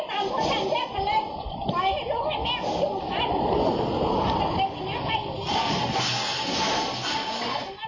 ไฟให้ลุกให้แม่โมงติดกัน